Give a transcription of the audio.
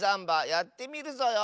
やってみるぞよ。